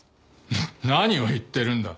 フフ何を言ってるんだ。